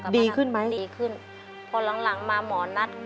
ดีขึ้นไหมดีขึ้นพอหลังหลังมาหมอนัด